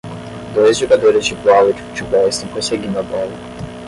Dois jogadores de bola de futebol estão perseguindo a bola.